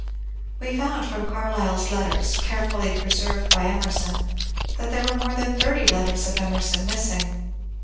We found from Carlyle's letters, carefully pre served by Emerson, that there were more than thirty letters of Emerson missing.